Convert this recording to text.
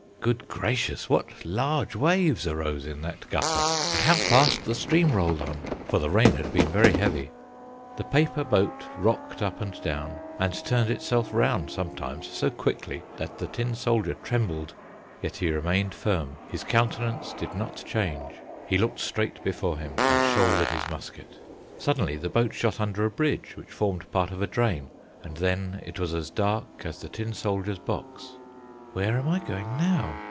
Good gracious, what large waves arose in that gutter! and how fast the stream rolled on! for the rain had been very heavy. The paper boat rocked up and down, and turned itself round sometimes so quickly that the tin soldier trembled; yet he remained firm; his countenance did not change; he looked straight before him, and shouldered his musket. Suddenly the boat shot under a bridge which formed a part of a drain, and then it was as dark as the tin soldier's box. "Where am I going now?"